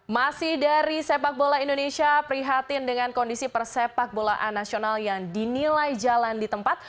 masih dari sepak bola indonesia prihatin dengan kondisi persepak bolaan nasional yang dinilai jalan di tempat